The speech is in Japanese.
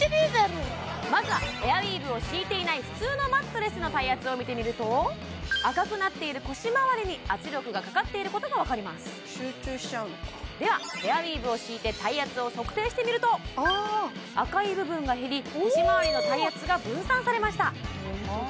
まずはエアウィーヴを敷いていない普通のマットレスの体圧を見てみると赤くなっている腰まわりに圧力がかかっていることが分かります集中しちゃうのかではエアウィーヴを敷いて体圧を測定してみると赤い部分が減り腰まわりの体圧が分散されました